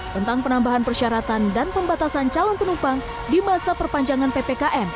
tentang penambahan persyaratan dan pembatasan calon penumpang di masa perpanjangan ppkm